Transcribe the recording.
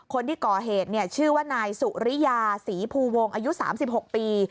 คนที่ก่อเหตุชื่อว่านายสุริยาศรีภูวงอายุ๓๖ปี